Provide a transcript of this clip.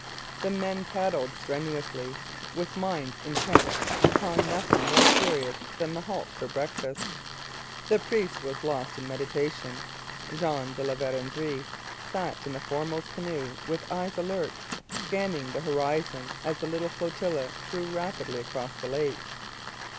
The men paddled strenuously, with minds intent upon nothing more serious than the halt for breakfast. The priest was lost in meditation. Jean de La Vérendrye sat in the foremost canoe, with eyes alert, scanning the horizon as the little flotilla drew rapidly across the lake.